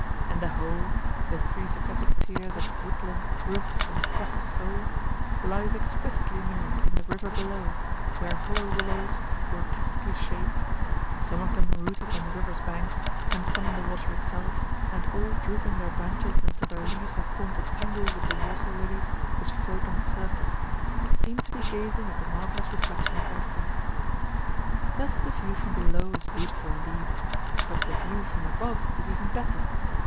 And the whole the three successive tiers of woodland, roofs, and crosses whole lies exquisitely mirrored in the river below, where hollow willows, grotesquely shaped (some of them rooted on the river's banks, and some in the water itself, and all drooping their branches until their leaves have formed a tangle with the water lilies which float on the surface), seem to be gazing at the marvellous reflection at their feet. Thus the view from below is beautiful indeed. But the view from above is even better.